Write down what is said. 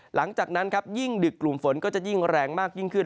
หลังจากนั้นครับยิ่งดึกกลุ่มฝนก็จะยิ่งแรงมากยิ่งขึ้น